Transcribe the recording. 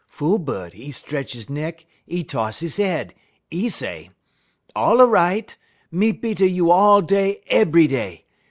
"Fool bud, 'e 'tretch 'e neck, 'e toss 'e head; 'e say: "'All a right; me beat a you all day ebry day.